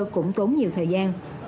cũng tốn nhiều thời gian